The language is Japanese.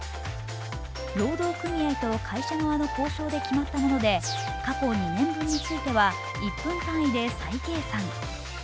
労働組合と会社側の交渉で決まったもので過去２年分については１分単位で再計算。